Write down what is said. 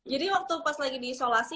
jadi waktu pas lagi di isolasi